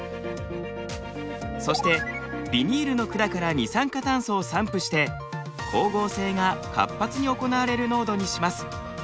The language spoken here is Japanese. そしてビニールの管から二酸化炭素を散布して光合成が活発に行われる濃度にします。